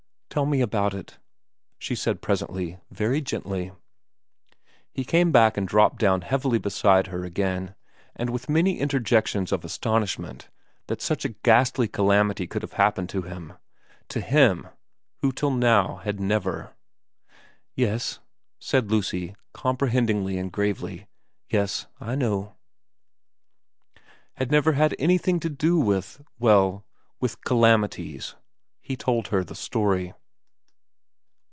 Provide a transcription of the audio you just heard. * Tell me about it,' she said presently, very gently. He came back and dropped down heavily beside her again, and with many interjections of astonishment that such a ghastly calamity could have happened to him, to him who till now had never * Yes,' said Lucy, comprehendingly and gravely, ' yes I know ' had never had anything to do with well, with calamities, he told her the story.